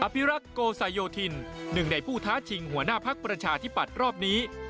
พิรักษ์โกสายโยธินหนึ่งในผู้ท้าชิงหัวหน้าพักประชาธิปัตย์รอบนี้